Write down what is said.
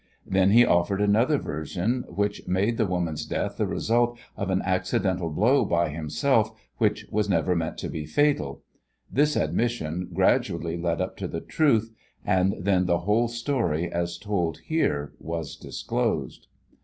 Then he offered another version, which made the woman's death the result of an accidental blow by himself which was never meant to be fatal. This admission gradually led up to the truth, and then the whole story, as told here, was disclosed.